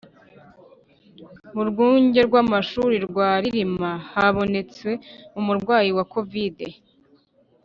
mu rwunge rw’amashuri rwa rilima habonetse umurwayi wa covid